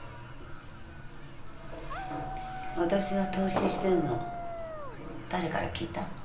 私が投資してるの誰から聞いた？